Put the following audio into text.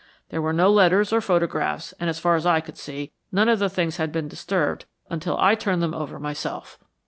There were no letters or photographs, and as far as I could see, none of the things had been disturbed until I turned them over myself."